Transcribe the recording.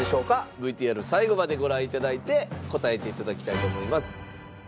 「ＶＴＲを最後までご覧頂いて答えて頂きたいと思います」